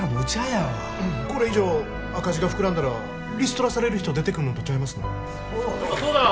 これ以上赤字が膨らんだらリストラされる人出てくんのとちゃいますの？